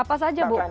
apa saja bu